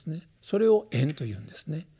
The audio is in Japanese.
それを縁というんですね。